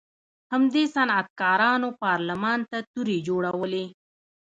همدې صنعتکارانو پارلمان ته تورې جوړولې.